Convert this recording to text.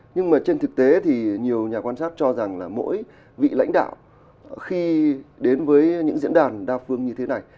nhưng mà trên thực tế thì nhiều nhà quan sát cho rằng là mỗi vị lãnh đạo khi đến với những diễn đàn đa phương như thế này